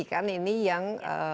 kan ini yang